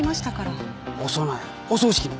お葬式の？